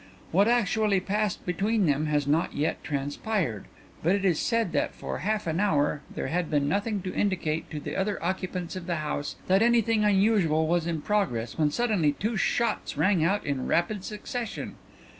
What actually passed between them has not yet transpired, but it is said that for half an hour there had been nothing to indicate to the other occupants of the house that anything unusual was in progress when suddenly two shots rang out in rapid succession.